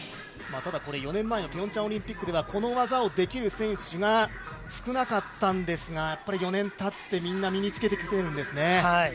４年前のピョンチャンオリンピックではこの技をできる選手が少なかったんですがやっぱり４年たってみんな身につけてきているんですね。